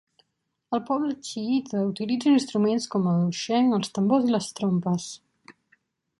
El poble xiïta utilitza instruments com el lusheng, els tambors i les trompes.